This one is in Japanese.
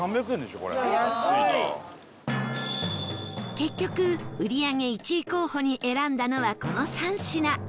結局売り上げ１位候補に選んだのはこの３品